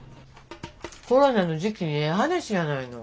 コロナの時期にええ話やないの。